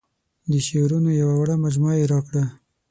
د شعرونو یوه وړه مجموعه یې راکړه.